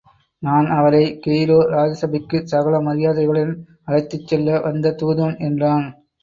நான் அவரை, கெய்ரோ ராஜசபைக்குச் சகல மரியாதைகளுடன் அழைத்துச் செல்ல வந்த தூதுவன். என்றான்.